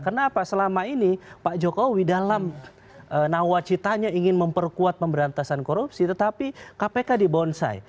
kenapa selama ini pak jokowi dalam nawacitanya ingin memperkuat pemberantasan korupsi tetapi kpk dibonsai